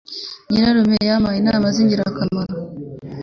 Nyirarume yampaye inama zingirakamaro.